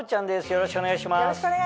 よろしくお願いします！